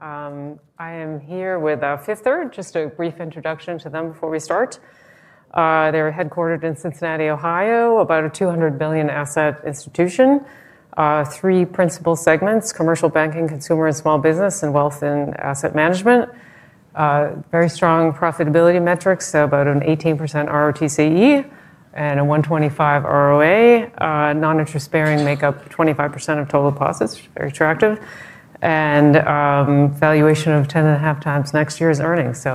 I am here with Fifth Third Bank, just a brief introduction to them before we start. They're headquartered in Cincinnati, Ohio, about a $200 billion asset institution. Three principal segments: commercial banking, consumer and small business, and wealth and asset management. Very strong profitability metrics, about an 18% ROTCE and a 125% ROA. Non-interest bearing make up 25% of total deposits, very attractive. Valuation of 10.5x next year's earnings.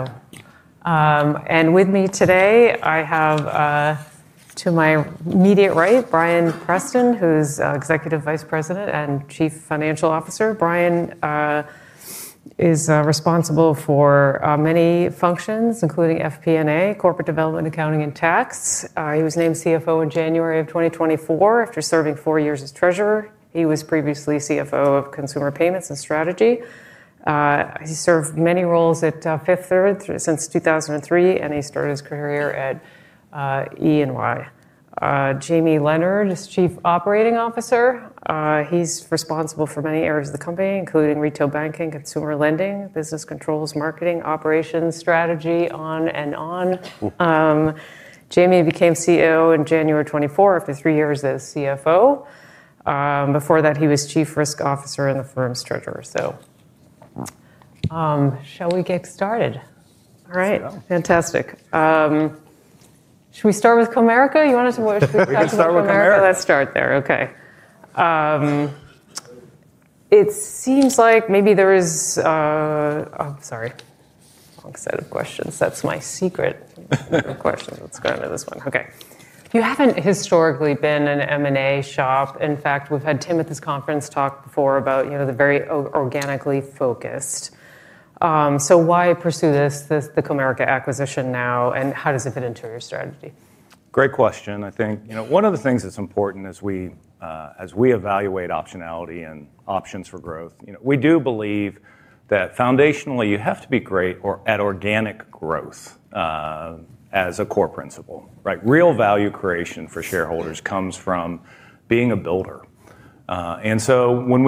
With me today, I have, to my immediate right, Bryan Preston, who's Executive Vice President and Chief Financial Officer. Bryan is responsible for many functions, including FP&A, corporate development, accounting, and tax. He was named CFO in January of 2024 after serving four years as Treasurer. He was previously CFO of Consumer Payments and Strategy. He served many roles at Fifth Third since 2003, and he started his career at EY. Jamie Leonard is Chief Operating Officer. He's responsible for many areas of the company, including retail banking, consumer lending, business controls, marketing, operations, strategy, on and on. Jamie became CEO in January '24 after three years as CFO. Before that, he was Chief Risk Officer in the firm's treasurer. Shall we get started? All right, fantastic. Should we start with Comerica? You wanted to watch the customer coming out. Let's start with Comerica. Let's start there. Okay. It seems like maybe there is, I'm sorry, wrong set of questions. That's my secret questions. Let's go into this one. Okay. You haven't historically been an M&A shop. In fact, we've had Tim at this conference talk before about the very organically focused. So why pursue the Comerica acquisition now, and how does it fit into your strategy? Great question. I think one of the things that's important as we evaluate optionality and options for growth, we do believe that foundationally you have to be great at organic growth as a core principle. Real value creation for shareholders comes from being a builder. And so when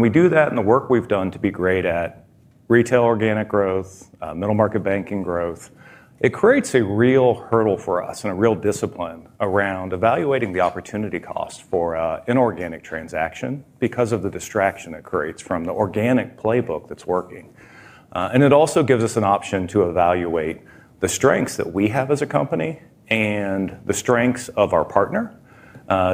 we do that and the work we've done to be great at retail organic growth, middle market banking growth, it creates a real hurdle for us and a real discipline around evaluating the opportunity cost for an organic transaction because of the distraction it creates from the organic playbook that's working. And it also gives us an option to evaluate the strengths that we have as a company and the strengths of our partner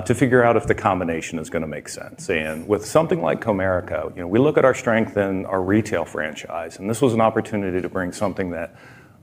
to figure out if the combination is going to make sense. And with something like Comerica, we look at our strength in our retail franchise. And this was an opportunity to bring something that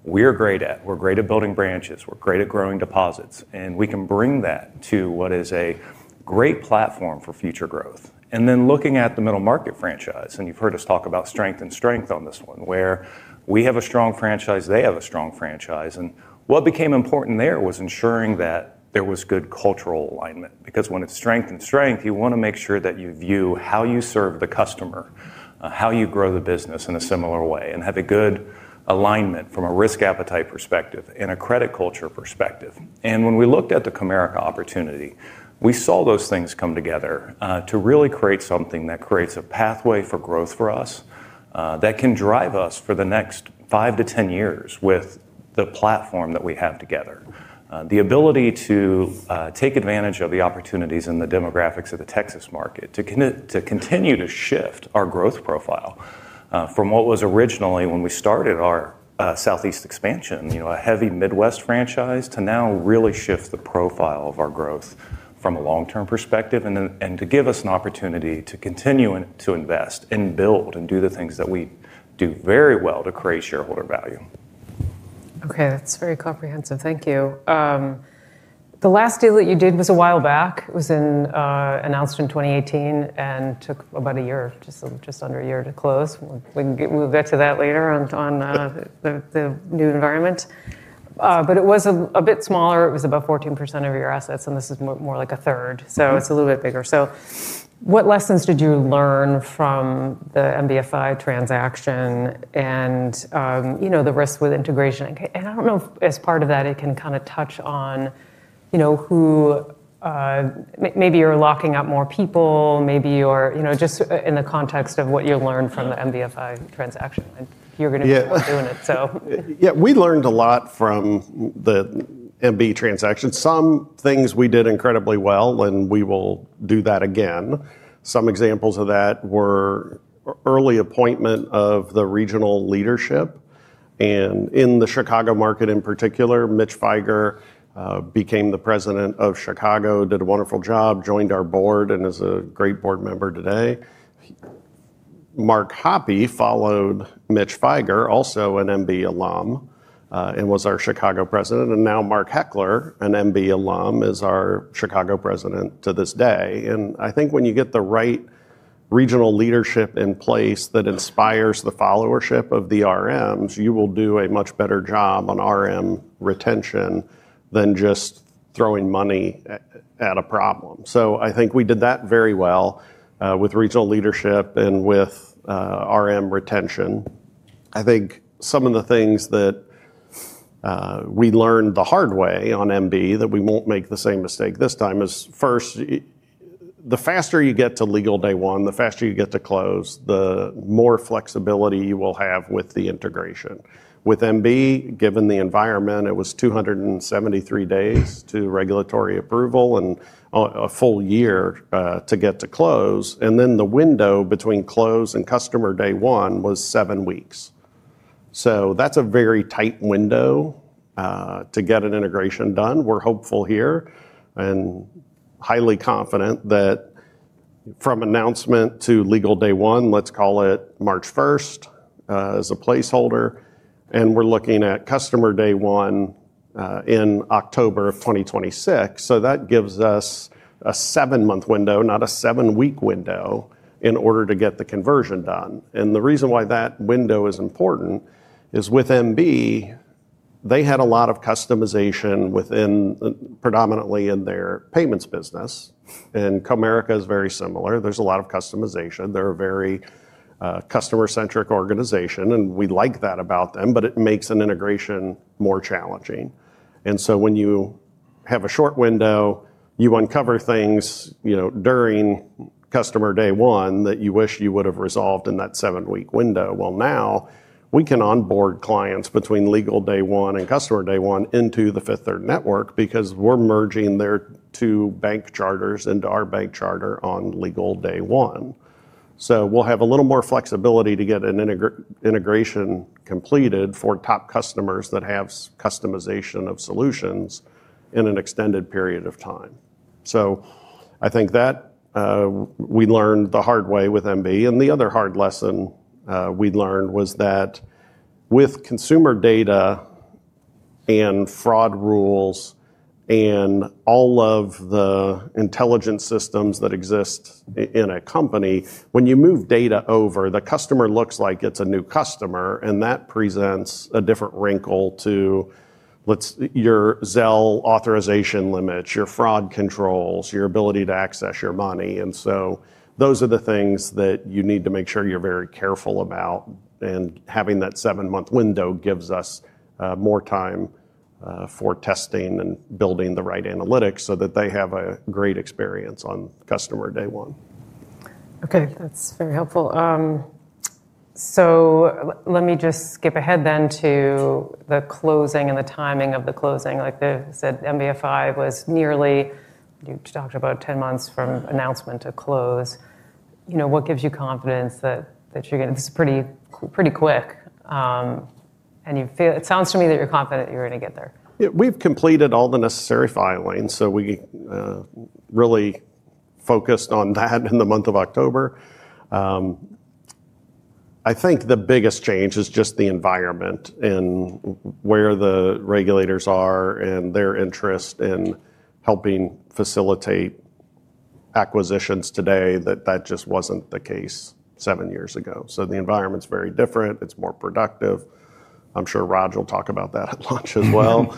we're great at. We're great at building branches. We're great at growing deposits. And we can bring that to what is a great platform for future growth. And then looking at the middle market franchise, and you've heard us talk about strength and strength on this one, where we have a strong franchise, they have a strong franchise. And what became important there was ensuring that there was good cultural alignment. Because when it's strength and strength, you want to make sure that you view how you serve the customer, how you grow the business in a similar way, and have a good alignment from a risk appetite perspective and a credit culture perspective. And when we looked at the Comerica opportunity, we saw those things come together to really create something that creates a pathway for growth for us that can drive us for the next five to ten years with the platform that we have together. The ability to take advantage of the opportunities and the demographics of the Texas market to continue to shift our growth profile from what was originally when we started our Southeast expansion, a heavy Midwest franchise, to now really shift the profile of our growth from a long-term perspective and to give us an opportunity to continue to invest and build and do the things that we do very well to create shareholder value. Okay, that's very comprehensive. Thank you. The last deal that you did was a while back. It was announced in 2018 and took about a year, just under a year to close. We'll get to that later on the new environment. But it was a bit smaller. It was about 14% of your assets, and this is more like a third. So it's a little bit bigger. So what lessons did you learn from the MBFI transaction and the risks with integration? And I don't know if as part of that, it can kind of touch on who maybe you're locking up more people, maybe just in the context of what you learned from the MBFI transaction. You're going to be doing it, so. Yeah, we learned a lot from the MB transaction. Some things we did incredibly well, and we will do that again. Some examples of that were early appointment of the regional leadership. And in the Chicago market in particular, Mitch Feiger became the president of Chicago, did a wonderful job, joined our board, and is a great board member today. Mark Hoppe followed Mitch Feiger, also an MB alum and was our Chicago president. And now Mark Heckler, an MB alum, is our Chicago president to this day. And I think when you get the right regional leadership in place that inspires the followership of the RMs, you will do a much better job on RM retention than just throwing money at a problem. So I think we did that very well with regional leadership and with RM retention. I think some of the things that we learned the hard way on MB that we won't make the same mistake this time is first, the faster you get to legal day one, the faster you get to close, the more flexibility you will have with the integration. With MB, given the environment, it was 273 days to regulatory approval and a full year to get to close. And then the window between close and customer day one was seven weeks. So that's a very tight window to get an integration done. We're hopeful here and highly confident that from announcement to legal day one, let's call it March 1st as a placeholder. And we're looking at customer day one in October of 2026. So that gives us a seven-month window, not a seven-week window in order to get the conversion done. And the reason why that window is important is with MB, they had a lot of customization predominantly in their payments business. And Comerica is very similar. There's a lot of customization. They're a very customer-centric organization. And we like that about them, but it makes an integration more challenging. And so when you have a short window, you uncover things during customer day one that you wish you would have resolved in that seven-week window. Well, now we can onboard clients between legal day one and customer day one into the Fifth Third network because we're merging their two bank charters into our bank charter on legal day one. So we'll have a little more flexibility to get an integration completed for top customers that have customization of solutions in an extended period of time. So I think that we learned the hard way with MB. And the other hard lesson we learned was that with consumer data and fraud rules and all of the intelligence systems that exist in a company, when you move data over, the customer looks like it's a new customer, and that presents a different wrinkle to your Zell authorization limits, your fraud controls, your ability to access your money. And so those are the things that you need to make sure you're very careful about. And having that seven-month window gives us more time for testing and building the right analytics so that they have a great experience on customer day one. Okay, that's very helpful. So let me just skip ahead then to the closing and the timing of the closing. Like they said, MBFI was nearly, you talked about 10 months from announcement to close. What gives you confidence that you're going to, this is pretty quick. And it sounds to me that you're confident you're going to get there. Yeah, we've completed all the necessary filings, so we really focused on that in the month of October. I think the biggest change is just the environment and where the regulators are and their interest in helping facilitate acquisitions today that that just wasn't the case seven years ago. So the environment's very different. It's more productive. I'm sure Raj will talk about that at lunch as well.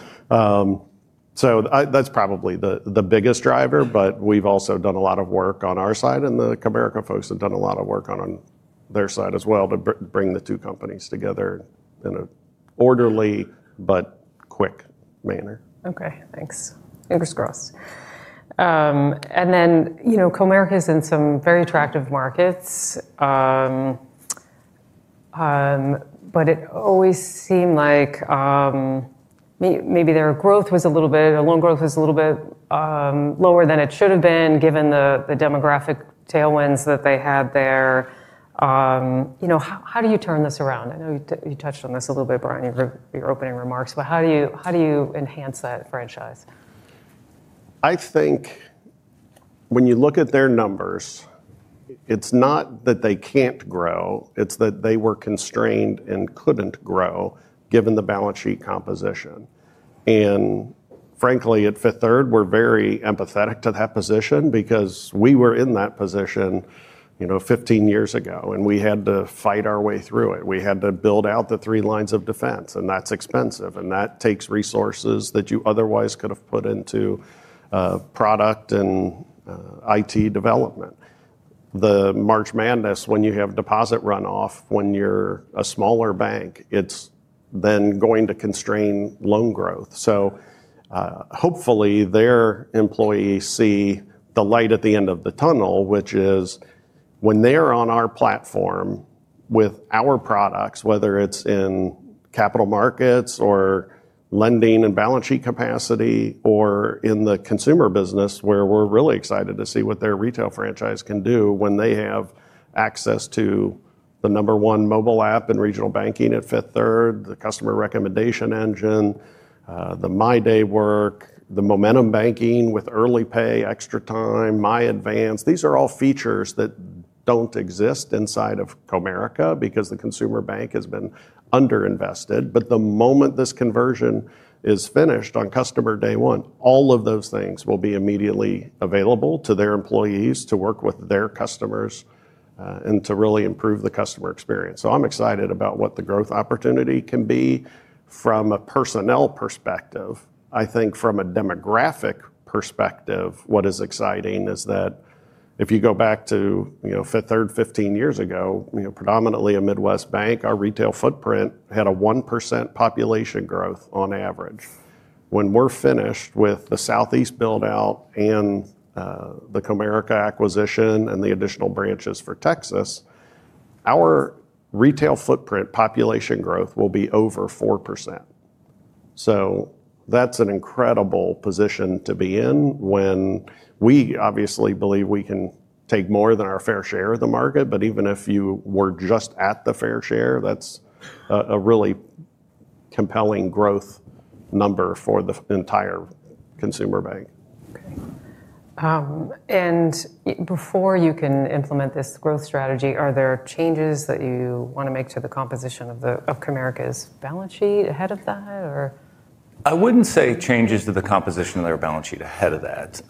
So that's probably the biggest driver, but we've also done a lot of work on our side, and the Comerica folks have done a lot of work on their side as well to bring the two companies together in an orderly but quick manner. Okay, thanks. Fingers crossed. And then Comerica is in some very attractive markets, but it always seemed like maybe their growth was a little bit, their loan growth was a little bit lower than it should have been given the demographic tailwinds that they had there. How do you turn this around? I know you touched on this a little bit, Bryan, in your opening remarks, but how do you enhance that franchise? I think when you look at their numbers, it's not that they can't grow, it's that they were constrained and couldn't grow given the balance sheet composition. And frankly, at Fifth Third, we're very empathetic to that position because we were in that position 15 years ago, and we had to fight our way through it. We had to build out the three lines of defense, and that's expensive. And that takes resources that you otherwise could have put into product and IT development. The March Madness, when you have deposit runoff, when you're a smaller bank, it's then going to constrain loan growth. So hopefully their employees see the light at the end of the tunnel, which is when they're on our platform with our products, whether it's in capital markets or lending and balance sheet capacity or in the consumer business, where we're really excited to see what their retail franchise can do when they have access to the number one mobile app in regional banking at Fifth Third, the customer recommendation engine, the MyDay work, the momentum banking with early pay, extra time, My Advance. These are all features that don't exist inside of Comerica because the consumer bank has been underinvested. But the moment this conversion is finished on customer day one, all of those things will be immediately available to their employees to work with their customers and to really improve the customer experience. So I'm excited about what the growth opportunity can be from a personnel perspective. I think from a demographic perspective, what is exciting is that if you go back to Fifth Third 15 years ago, predominantly a Midwest bank, our retail footprint had a 1% population growth on average. When we're finished with the Southeast buildout and the Comerica acquisition and the additional branches for Texas, our retail footprint population growth will be over 4%. So that's an incredible position to be in when we obviously believe we can take more than our fair share of the market. But even if you were just at the fair share, that's a really compelling growth number for the entire consumer bank. Okay. And before you can implement this growth strategy, are there changes that you want to make to the composition of Comerica's balance sheet ahead of that, or? I wouldn't say changes to the composition of their balance sheet ahead of that.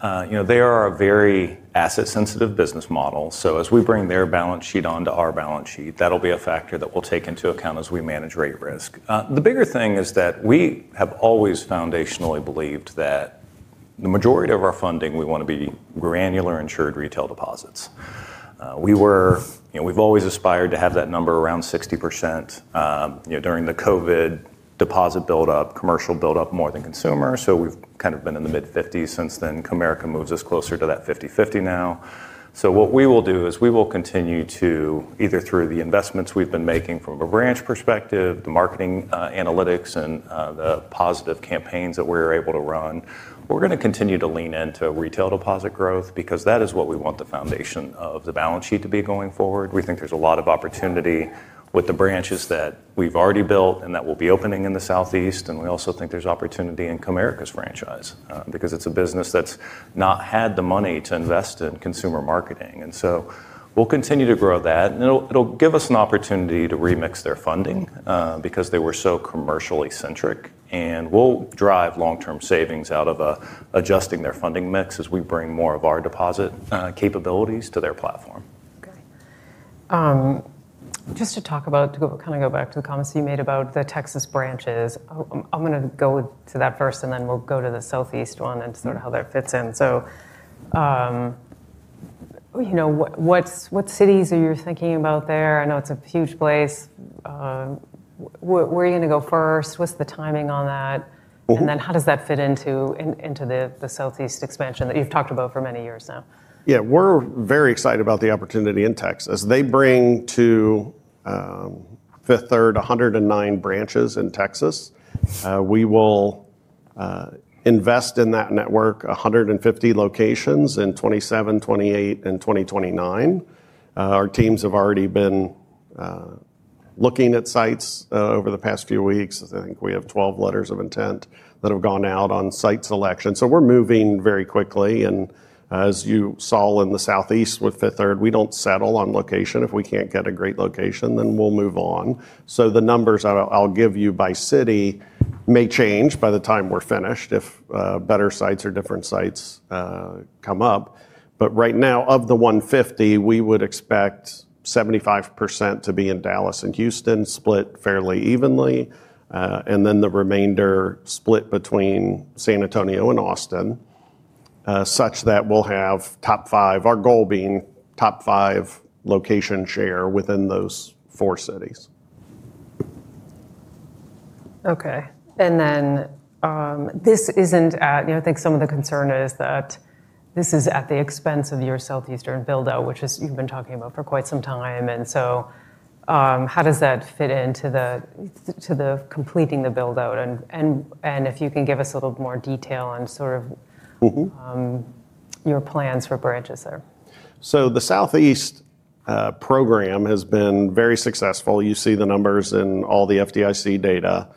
They are a very asset-sensitive business model. So as we bring their balance sheet onto our balance sheet, that'll be a factor that we'll take into account as we manage rate risk. The bigger thing is that we have always foundationally believed that the majority of our funding, we want to be granular insured retail deposits. We've always aspired to have that number around 60% during the COVID deposit buildup, commercial buildup more than consumer. So we've kind of been in the mid-50s since then. Comerica moves us closer to that 50-50 now. So what we will do is we will continue to, either through the investments we've been making from a branch perspective, the marketing analytics, and the positive campaigns that we're able to run, we're going to continue to lean into retail deposit growth because that is what we want the foundation of the balance sheet to be going forward. We think there's a lot of opportunity with the branches that we've already built and that we'll be opening in the Southeast. And we also think there's opportunity in Comerica's franchise because it's a business that's not had the money to invest in consumer marketing. And so we'll continue to grow that. And it'll give us an opportunity to remix their funding because they were so commercially centric. And we'll drive long-term savings out of adjusting their funding mix as we bring more of our deposit capabilities to their platform. Okay. Just to talk about, to kind of go back to the comments you made about the Texas branches, I'm going to go to that first, and then we'll go to the Southeast one and sort of how that fits in. So what cities are you thinking about there? I know it's a huge place. Where are you going to go first? What's the timing on that? And then how does that fit into the Southeast expansion that you've talked about for many years now? Yeah, we're very excited about the opportunity in Texas. They bring to Fifth Third 109 branches in Texas. We will invest in that network, 150 locations in 2027, 2028, and 2029. Our teams have already been looking at sites over the past few weeks. I think we have 12 letters of intent that have gone out on site selection. So we're moving very quickly. And as you saw in the Southeast with Fifth Third, we don't settle on location. If we can't get a great location, then we'll move on. So the numbers I'll give you by city may change by the time we're finished if better sites or different sites come up. But right now, of the 150, we would expect 75% to be in Dallas and Houston, split fairly evenly, and then the remainder split between San Antonio and Austin, such that we'll have top five, our goal being top five location share within those four cities. Okay. And then this isn't, I think some of the concern is that this is at the expense of your Southeastern buildout, which you've been talking about for quite some time. And so how does that fit into the completing the buildout? And if you can give us a little more detail on sort of your plans for branches there. So the Southeast program has been very successful. You see the numbers in all the FDIC data.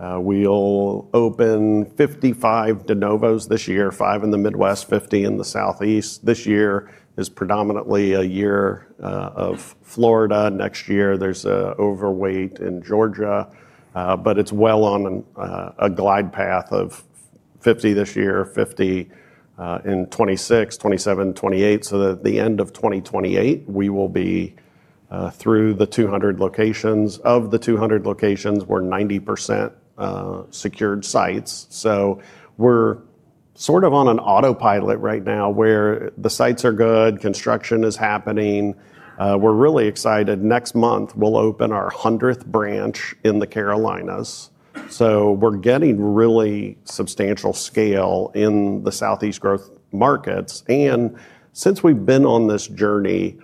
We'll open 55 de novos this year, five in the Midwest, 50 in the Southeast. This year is predominantly a year of Florida. Next year, there's an overweight in Georgia, but it's well on a glide path of 50 this year, 50 in '26, '27, '28. So at the end of 2028, we will be through the 200 locations. Of the 200 locations, we're 90% secured sites. So we're sort of on an autopilot right now where the sites are good, construction is happening. We're really excited. Next month, we'll open our 100th branch in the Carolinas. So we're getting really substantial scale in the Southeast growth markets. And since we've been on this journey,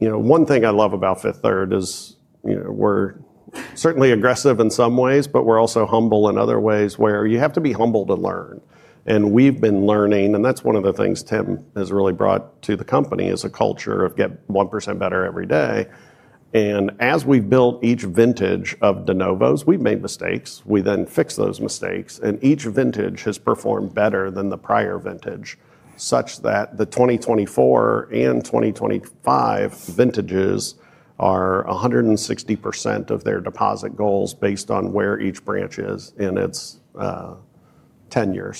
one thing I love about Fifth Third is we're certainly aggressive in some ways, but we're also humble in other ways where you have to be humble to learn. And we've been learning, and that's one of the things Tim has really brought to the company is a culture of get 1% better every day. And as we've built each vintage of de novos, we've made mistakes. We then fix those mistakes, and each vintage has performed better than the prior vintage, such that the 2024 and 2025 vintages are 160% of their deposit goals based on where each branch is in its tenure.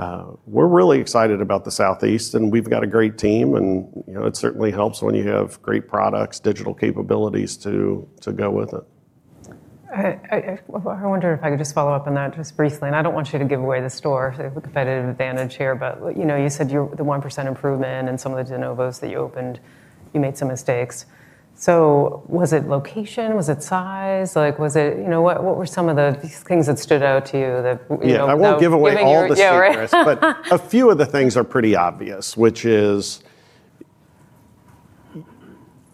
So we're really excited about the Southeast, and we've got a great team, and it certainly helps when you have great products, digital capabilities to go with it. I wonder if I could just follow up on that just briefly. And I don't want you to give away the store for the competitive advantage here, but you said the 1% improvement and some of the de novos that you opened, you made some mistakes. So was it location? Was it size? What were some of the things that stood out to you that you don't think? Yeah, I won't give away all the secrets, but a few of the things are pretty obvious, which is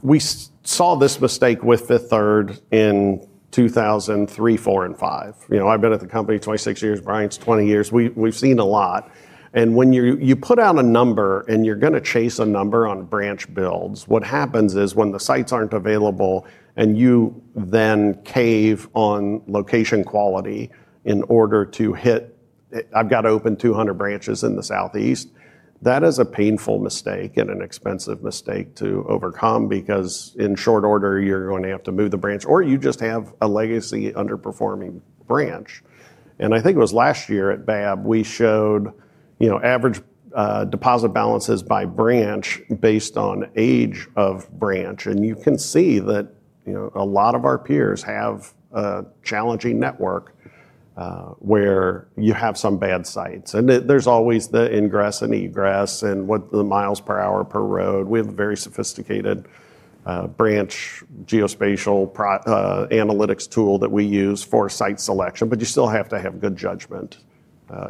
we saw this mistake with Fifth Third in 2003, '04, and '05. I've been at the company 26 years, Bryan's 20 years. We've seen a lot. And when you put out a number and you're going to chase a number on branch builds, what happens is when the sites aren't available and you then cave on location quality in order to hit, "I've got to open 200 branches in the Southeast," that is a painful mistake and an expensive mistake to overcome because in short order, you're going to have to move the branch or you just have a legacy underperforming branch. And I think it was last year at Babb, we showed average deposit balances by branch based on age of branch. And you can see that a lot of our peers have a challenging network where you have some bad sites. And there's always the ingress and egress and what the miles per hour per road. We have a very sophisticated branch geospatial analytics tool that we use for site selection, but you still have to have good judgment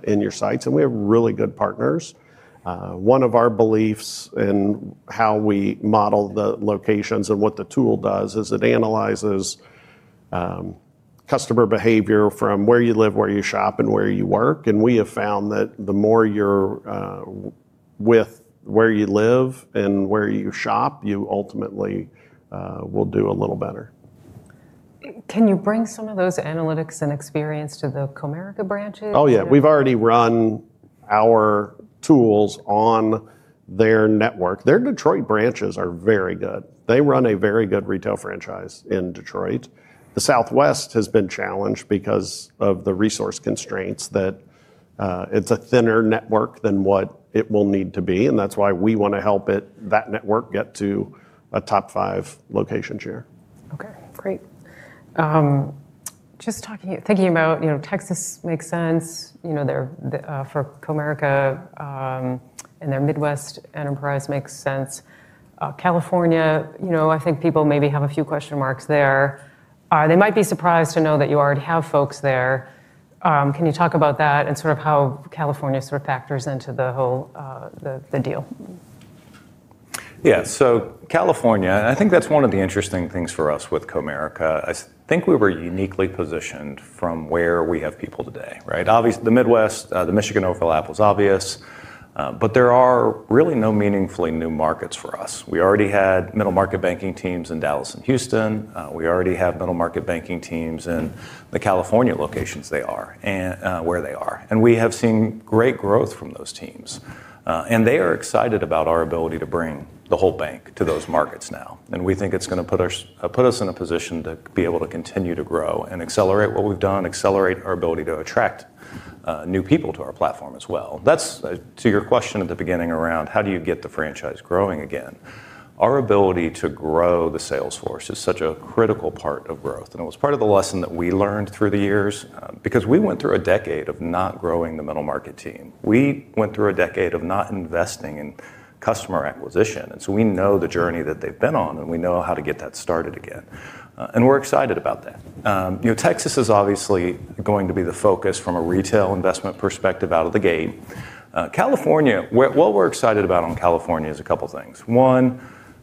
in your sites. And we have really good partners. One of our beliefs in how we model the locations and what the tool does is it analyzes customer behavior from where you live, where you shop, and where you work. And we have found that the more you're with where you live and where you shop, you ultimately will do a little better. Can you bring some of those analytics and experience to the Comerica branches? Oh, yeah. We've already run our tools on their network. Their Detroit branches are very good. They run a very good retail franchise in Detroit. The Southwest has been challenged because of the resource constraints that it's a thinner network than what it will need to be. And that's why we want to help that network get to a top five location share. Okay, great. Just thinking about Texas makes sense for Comerica and their Midwest enterprise makes sense. California, I think people maybe have a few question marks there. They might be surprised to know that you already have folks there. Can you talk about that and sort of how California sort of factors into the whole deal? Yeah, so California, and I think that's one of the interesting things for us with Comerica. I think we were uniquely positioned from where we have people today, right? The Midwest, the Michigan overlap was obvious, but there are really no meaningfully new markets for us. We already had middle market banking teams in Dallas and Houston. We already have middle market banking teams in the California locations where they are. And we have seen great growth from those teams. And they are excited about our ability to bring the whole bank to those markets now. And we think it's going to put us in a position to be able to continue to grow and accelerate what we've done, accelerate our ability to attract new people to our platform as well. That's to your question at the beginning around how do you get the franchise growing again. Our ability to grow the sales force is such a critical part of growth. And it was part of the lesson that we learned through the years because we went through a decade of not growing the middle market team. We went through a decade of not investing in customer acquisition. And so we know the journey that they've been on, and we know how to get that started again. And we're excited about that. Texas is obviously going to be the focus from a retail investment perspective out of the gate. What we're excited about on California is a couple of things.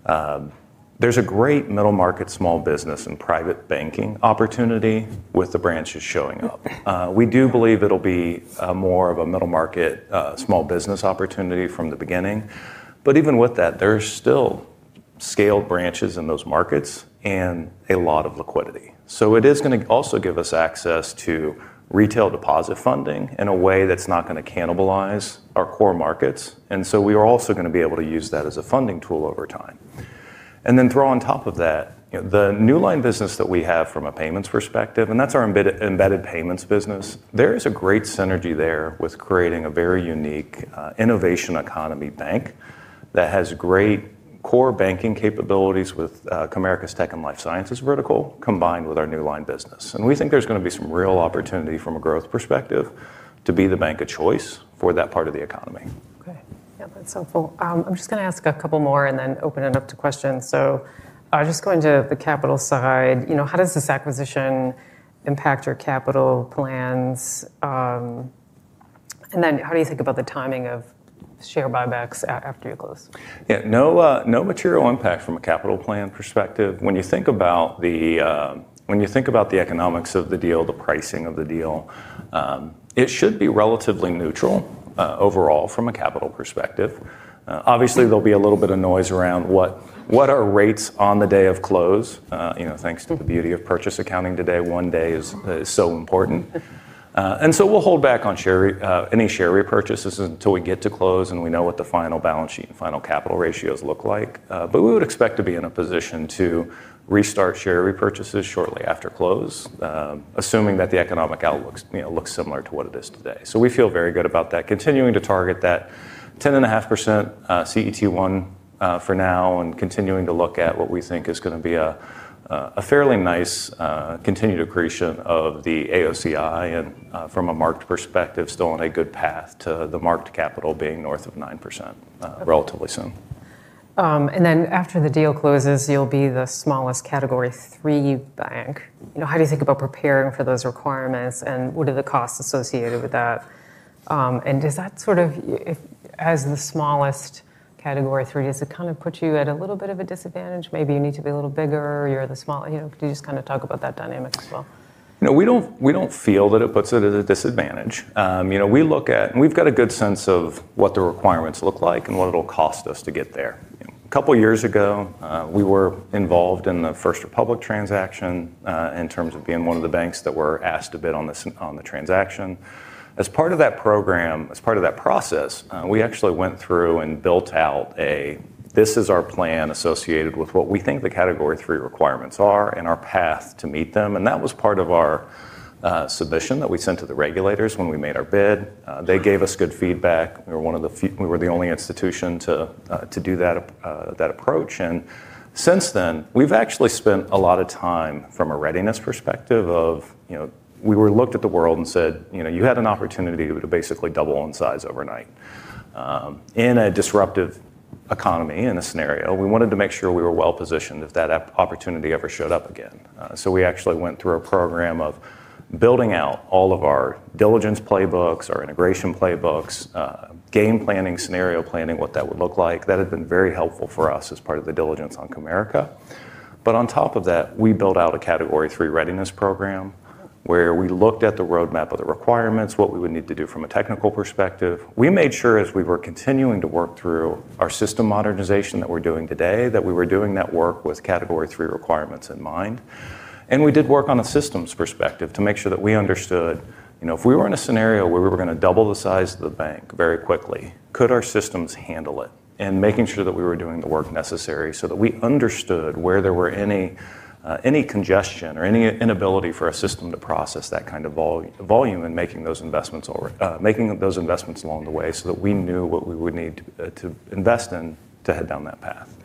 One, there's a great middle market small business and private banking opportunity with the branches showing up. We do believe it'll be more of a middle market small business opportunity from the beginning. But even with that, there's still scaled branches in those markets and a lot of liquidity. So it is going to also give us access to retail deposit funding in a way that's not going to cannibalize our core markets. And so we are also going to be able to use that as a funding tool over time. And then throw on top of that, the new line business that we have from a payments perspective, and that's our embedded payments business. There is a great synergy there with creating a very unique innovation economy bank that has great core banking capabilities with Comerica's tech and life sciences vertical combined with our new line business. And we think there's going to be some real opportunity from a growth perspective to be the bank of choice for that part of the economy. Okay. Yeah, that's helpful. I'm just going to ask a couple more and then open it up to questions. So just going to the capital side, how does this acquisition impact your capital plans? And then how do you think about the timing of share buybacks after you close? Yeah, no material impact from a capital plan perspective. When you think about the economics of the deal, the pricing of the deal, it should be relatively neutral overall from a capital perspective. Obviously, there'll be a little bit of noise around what are rates on the day of close, thanks to the beauty of purchase accounting today. One day is so important. And so we'll hold back on any share repurchases until we get to close and we know what the final balance sheet and final capital ratios look like. But we would expect to be in a position to restart share repurchases shortly after close, assuming that the economic outlook looks similar to what it is today. So we feel very good about that, continuing to target that 10.5% CET1 for now and continuing to look at what we think is going to be a fairly nice continued accretion of the AOCI. And from a marked perspective, still on a good path to the marked capital being north of 9% relatively soon. And then after the deal closes, you'll be the smallest category three bank. How do you think about preparing for those requirements and what are the costs associated with that? And does that sort of, as the smallest category three, does it kind of put you at a little bit of a disadvantage? Maybe you need to be a little bigger, you're the smallest. Could you just kind of talk about that dynamic as well? We don't feel that it puts it at a disadvantage. We look at, we've got a good sense of what the requirements look like and what it'll cost us to get there. A couple of years ago, we were involved in the First Republic transaction in terms of being one of the banks that were asked to bid on the transaction. As part of that program, as part of that process, we actually went through and built out a, this is our plan associated with what we think the category three requirements are and our path to meet them. And that was part of our submission that we sent to the regulators when we made our bid. They gave us good feedback. We were one of the, we were the only institution to do that approach. And since then, we've actually spent a lot of time from a readiness perspective of we were looked at the world and said, you had an opportunity to basically double in size overnight. In a disruptive economy, in a scenario, we wanted to make sure we were well positioned if that opportunity ever showed up again. So we actually went through a program of building out all of our diligence playbooks, our integration playbooks, game planning, scenario planning, what that would look like. That had been very helpful for us as part of the diligence on Comerica. But on top of that, we built out a category three readiness program where we looked at the roadmap of the requirements, what we would need to do from a technical perspective. We made sure as we were continuing to work through our system modernization that we're doing today, that we were doing that work with category three requirements in mind. And we did work on a systems perspective to make sure that we understood if we were in a scenario where we were going to double the size of the bank very quickly, could our systems handle it? And making sure that we were doing the work necessary so that we understood where there were any congestion or any inability for our system to process that kind of volume and making those investments along the way so that we knew what we would need to invest in to head down that path.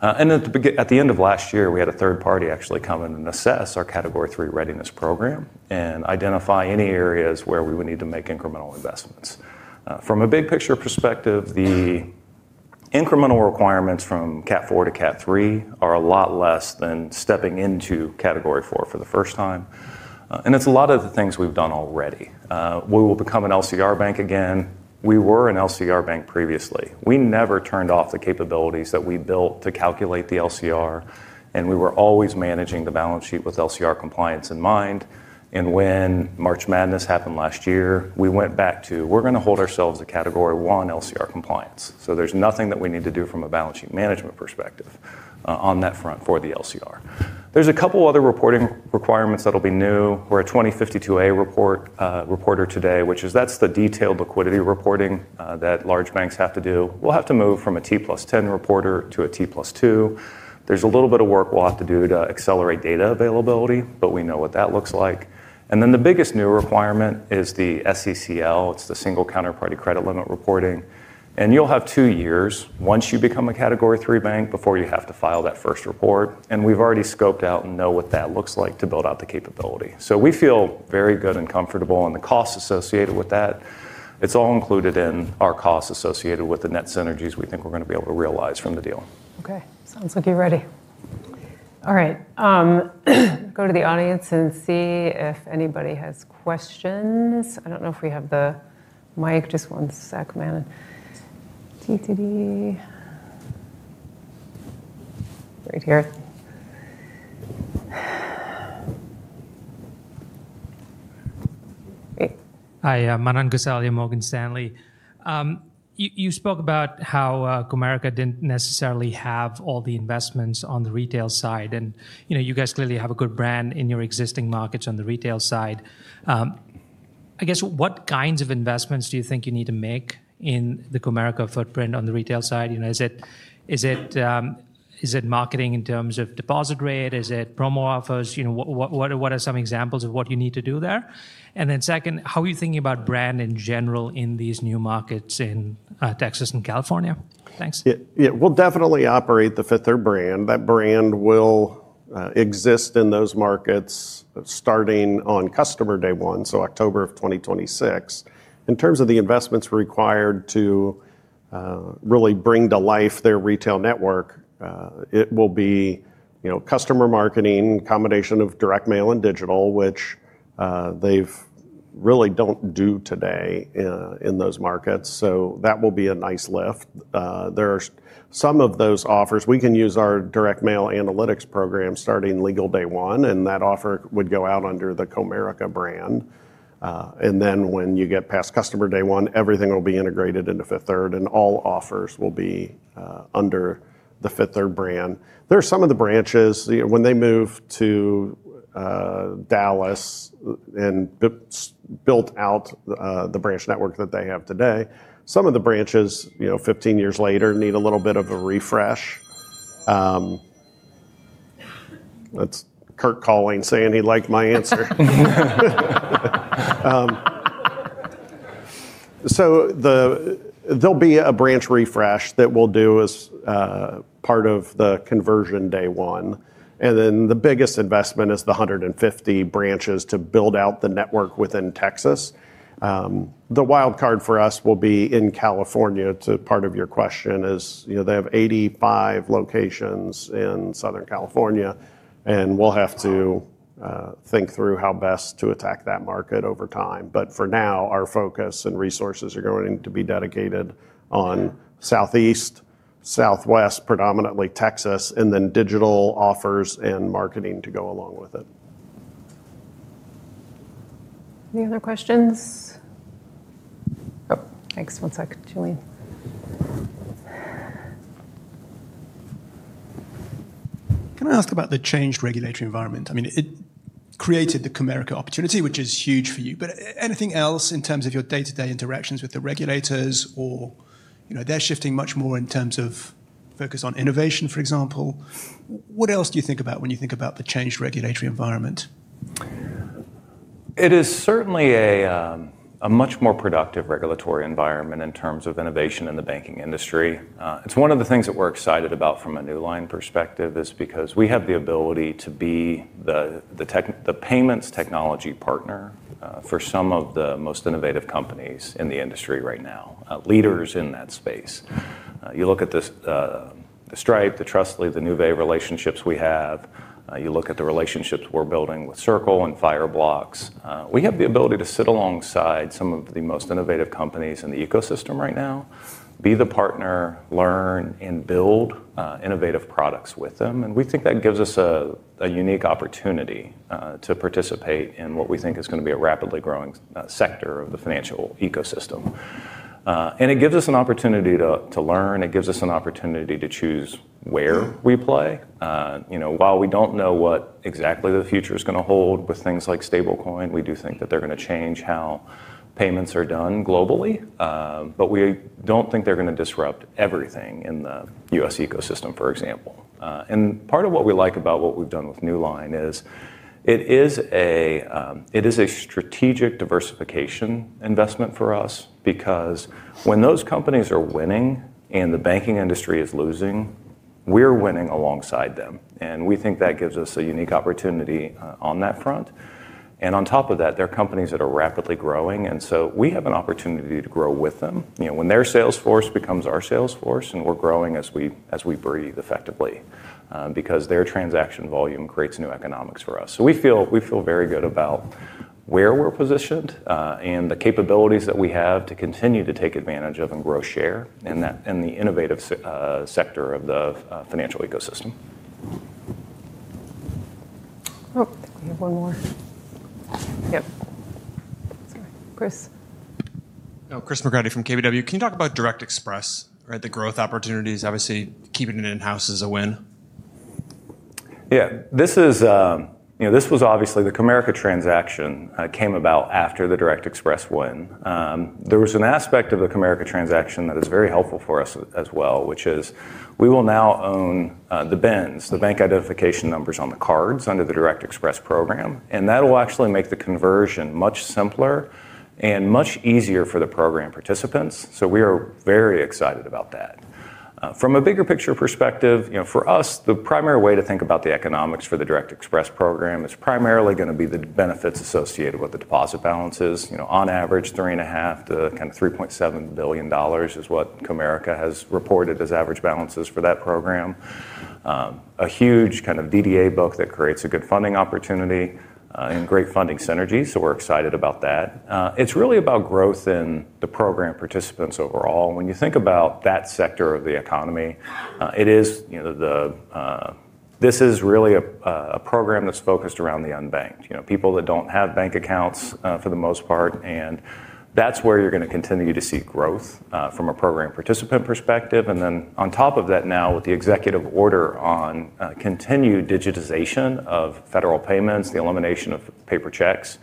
And at the end of last year, we had a third party actually come in and assess our category three readiness program and identify any areas where we would need to make incremental investments. From a big picture perspective, the incremental requirements from CAT4 to CAT3 are a lot less than stepping into category four for the first time. And it's a lot of the things we've done already. We will become an LCR bank again. We were an LCR bank previously. We never turned off the capabilities that we built to calculate the LCR, and we were always managing the balance sheet with LCR compliance in mind. And when March Madness happened last year, we went back to, we're going to hold ourselves to category one LCR compliance. So there's nothing that we need to do from a balance sheet management perspective on that front for the LCR. There's a couple of other reporting requirements that'll be new. We're a 2052A reporter today, which is that's the detailed liquidity reporting that large banks have to do. We'll have to move from a T plus 10 reporter to a T plus 2. There's a little bit of work we'll have to do to accelerate data availability, but we know what that looks like. And then the biggest new requirement is the SECL. It's the single counterparty credit limit reporting. And you'll have two years once you become a category three bank before you have to file that first report. And we've already scoped out and know what that looks like to build out the capability. So we feel very good and comfortable in the cost associated with that. It's all included in our cost associated with the net synergies we think we're going to be able to realize from the deal. Okay. Sounds like you're ready. All right. Go to the audience and see if anybody has questions. I don't know if we have the mic. Just one sec, man. Right here. Hi, Manan Gosalia here, Morgan Stanley. You spoke about how Comerica didn't necessarily have all the investments on the retail side. And you guys clearly have a good brand in your existing markets on the retail side. I guess what kinds of investments do you think you need to make in the Comerica footprint on the retail side? Is it marketing in terms of deposit rate? Is it promo offers? What are some examples of what you need to do there? And then second, how are you thinking about brand in general in these new markets in Texas and California? Thanks. Yeah, we'll definitely operate the Fifth Third Brand. That brand will exist in those markets starting on customer day one, so October of 2026. In terms of the investments required to really bring to life their retail network, it will be customer marketing, combination of direct mail and digital, which they really don't do today in those markets. So that will be a nice lift. There are some of those offers. We can use our direct mail analytics program starting legal day one, and that offer would go out under the Comerica brand. And then when you get past customer day one, everything will be integrated into Fifth Third, and all offers will be under the Fifth Third brand. There are some of the branches, when they move to Dallas and built out the branch network that they have today, some of the branches 15 years later need a little bit of a refresh. That's Kirk Colling saying he liked my answer. So there'll be a branch refresh that we'll do as part of the conversion day one. And then the biggest investment is the 150 branches to build out the network within Texas. The wild card for us will be in California. It's a part of your question is they have 85 locations in Southern California, and we'll have to think through how best to attack that market over time. But for now, our focus and resources are going to be dedicated on Southeast, Southwest, predominantly Texas, and then digital offers and marketing to go along with it. Any other questions? Oh, thanks. One sec, Julian. Can I ask about the changed regulatory environment? I mean, it created the Comerica opportunity, which is huge for you, but anything else in terms of your day-to-day interactions with the regulators or they're shifting much more in terms of focus on innovation, for example? What else do you think about when you think about the changed regulatory environment? It is certainly a much more productive regulatory environment in terms of innovation in the banking industry. It's one of the things that we're excited about from a new line perspective is because we have the ability to be the payments technology partner for some of the most innovative companies in the industry right now, leaders in that space. You look at the Stripe, the Trustly, the Nuvve relationships we have. You look at the relationships we're building with Circle and Fireblocks. We have the ability to sit alongside some of the most innovative companies in the ecosystem right now, be the partner, learn, and build innovative products with them. And we think that gives us a unique opportunity to participate in what we think is going to be a rapidly growing sector of the financial ecosystem. And it gives us an opportunity to learn. It gives us an opportunity to choose where we play. While we don't know what exactly the future is going to hold with things like stablecoin, we do think that they're going to change how payments are done globally, but we don't think they're going to disrupt everything in the US ecosystem, for example. And part of what we like about what we've done with New Line is it is a strategic diversification investment for us because when those companies are winning and the banking industry is losing, we're winning alongside them. And we think that gives us a unique opportunity on that front. And on top of that, they're companies that are rapidly growing. And so we have an opportunity to grow with them when their sales force becomes our sales force and we're growing as we breathe effectively because their transaction volume creates new economics for us. So we feel very good about where we're positioned and the capabilities that we have to continue to take advantage of and grow share in the innovative sector of the financial ecosystem. Oh, we have one more. Yep. Chris. Chris McGrady from KBW. Can you talk about Direct Express, the growth opportunities, obviously keeping it in-house is a win? Yeah. This was obviously the Comerica transaction came about after the Direct Express win. There was an aspect of the Comerica transaction that is very helpful for us as well, which is we will now own the BINs, the bank identification numbers on the cards under the Direct Express program. And that will actually make the conversion much simpler and much easier for the program participants. So we are very excited about that. From a bigger picture perspective, for us, the primary way to think about the economics for the Direct Express program is primarily going to be the benefits associated with the deposit balances. On average, three and a half to kind of $3.7 billion is what Comerica has reported as average balances for that program. A huge kind of DDA book that creates a good funding opportunity and great funding synergy. So we're excited about that. It's really about growth in the program participants overall. When you think about that sector of the economy, it is the this is really a program that's focused around the unbanked, people that don't have bank accounts for the most part. And that's where you're going to continue to see growth from a program participant perspective. And then on top of that, now with the executive order on continued digitization of federal payments, the elimination of paper checks,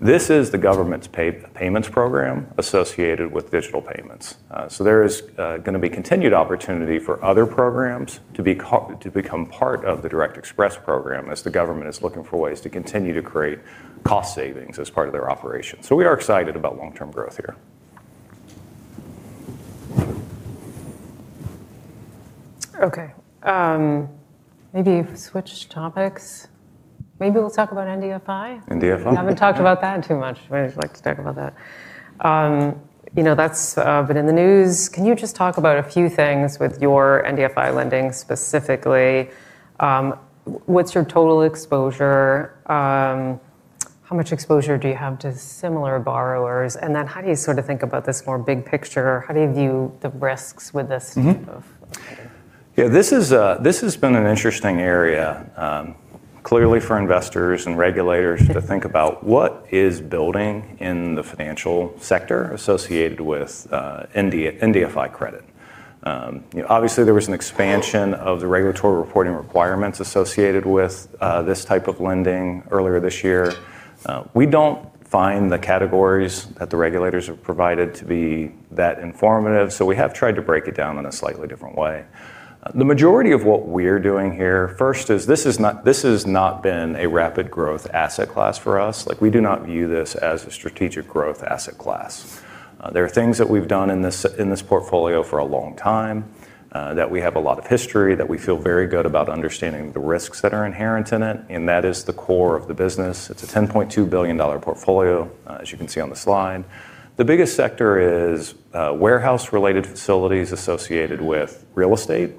this is the government's payments program associated with digital payments. So there is going to be continued opportunity for other programs to become part of the Direct Express program as the government is looking for ways to continue to create cost savings as part of their operation. So we are excited about long-term growth here. Okay. Maybe if we switch topics, maybe we'll talk about NDFI. NDFI. We haven't talked about that too much. We always like to talk about that. That's been in the news. Can you just talk about a few things with your NDFI lending specifically? What's your total exposure? How much exposure do you have to similar borrowers? And then how do you sort of think about this more big picture? How do you view the risks with this type of? Yeah, this has been an interesting area, clearly for investors and regulators to think about what is building in the financial sector associated with NDFI credit. Obviously, there was an expansion of the regulatory reporting requirements associated with this type of lending earlier this year. We don't find the categories that the regulators have provided to be that informative. So we have tried to break it down in a slightly different way. The majority of what we're doing here, first is this has not been a rapid growth asset class for us. We do not view this as a strategic growth asset class. There are things that we've done in this portfolio for a long time that we have a lot of history, that we feel very good about understanding the risks that are inherent in it. And that is the core of the business. It's a $10.2 billion portfolio, as you can see on the slide. The biggest sector is warehouse-related facilities associated with real estate.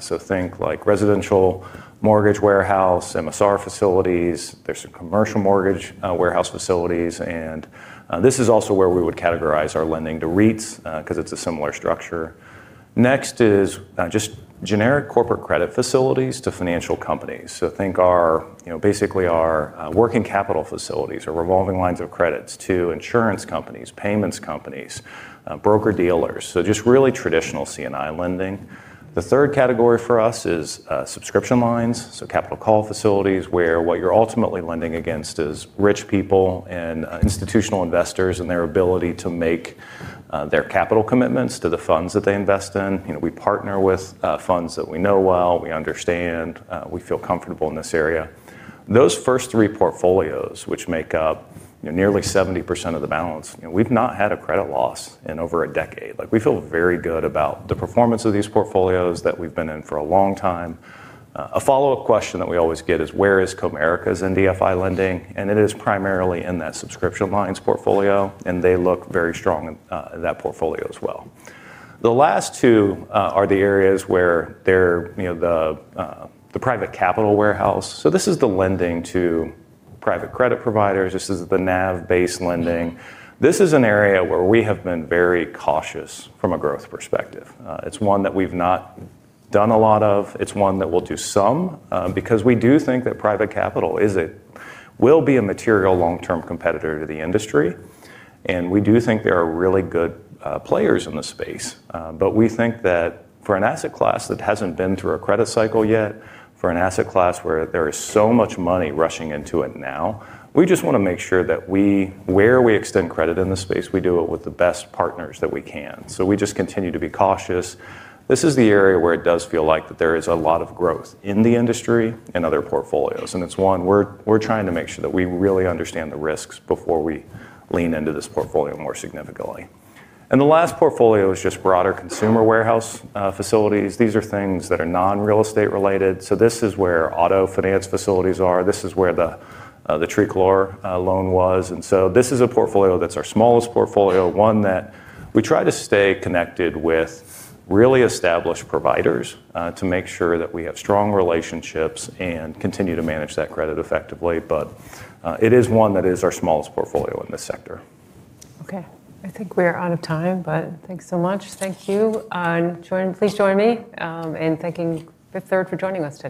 So think like residential mortgage warehouse, MSR facilities. There's some commercial mortgage warehouse facilities. And this is also where we would categorize our lending to REITs because it's a similar structure. Next is just generic corporate credit facilities to financial companies. So think basically our working capital facilities or revolving lines of credits to insurance companies, payments companies, broker dealers. So just really traditional C&I lending. The third category for us is subscription lines, so capital call facilities where what you're ultimately lending against is rich people and institutional investors and their ability to make their capital commitments to the funds that they invest in. We partner with funds that we know well, we understand, we feel comfortable in this area. Those first three portfolios, which make up nearly 70% of the balance, we've not had a credit loss in over a decade. We feel very good about the performance of these portfolios that we've been in for a long time. A follow-up question that we always get is where is Comerica's NDFI lending? And it is primarily in that subscription lines portfolio, and they look very strong in that portfolio as well. The last two are the areas where they're the private capital warehouse. So this is the lending to private credit providers. This is the NAV-based lending. This is an area where we have been very cautious from a growth perspective. It's one that we've not done a lot of. It's one that we'll do some because we do think that private capital will be a material long-term competitor to the industry. And we do think there are really good players in the space. But we think that for an asset class that hasn't been through a credit cycle yet, for an asset class where there is so much money rushing into it now, we just want to make sure that where we extend credit in the space, we do it with the best partners that we can. So we just continue to be cautious. This is the area where it does feel like that there is a lot of growth in the industry and other portfolios. And it's one we're trying to make sure that we really understand the risks before we lean into this portfolio more significantly. And the last portfolio is just broader consumer warehouse facilities. These are things that are non-real estate related. So this is where auto finance facilities are. This is where the TreeClor loan was. And so this is a portfolio that's our smallest portfolio, one that we try to stay connected with really established providers to make sure that we have strong relationships and continue to manage that credit effectively. But it is one that is our smallest portfolio in this sector. Okay. I think we're out of time, but thanks so much. Thank you. Please join me in thanking Fifth Third for joining us.